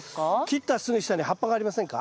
切ったすぐ下に葉っぱがありませんか？